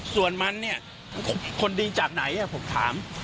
ส่วนมันคนดีจากไหนผมถาม